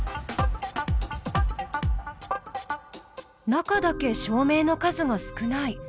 中だけ照明の数が少ない。